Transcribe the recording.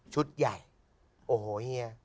ชุดใหญ่โอ้โหเฮีย